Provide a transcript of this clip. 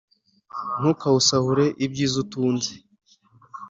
ntukawusahure ibyiza utunze,